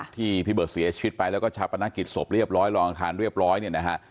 ที่พี่เบิร์ตเสียชีวิตไปแล้วก็ชาปนกิจศพเรียบร้อยรองอังคารเรียบร้อยเนี่ยนะฮะ